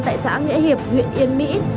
tại xã nghĩa hiệp huyện yên mỹ